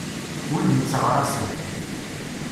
Wid itteɣraṣen.